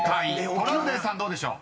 ［トラウデンさんどうでしょう？］